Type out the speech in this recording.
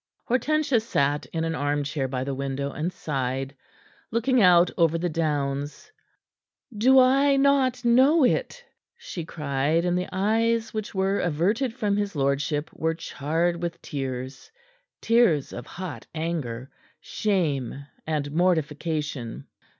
Hortensia sat in an arm chair by the window, and sighed, looking out over the downs. "Do I not know it?" she cried, and the eyes which were averted from his lordship were charred with tears tears of hot anger, shame and mortification.